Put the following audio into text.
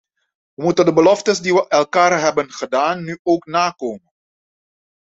Wij moeten de beloftes die wij elkaar hebben gedaan nu ook nakomen.